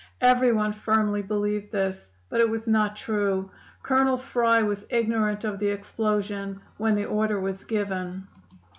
Everyone firmly believed this. But it was not true. Colonel Fry was ignorant of the explosion when the order was given.